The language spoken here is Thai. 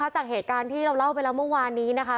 จากเหตุการณ์ที่เราเล่าไปแล้วเมื่อวานนี้นะคะ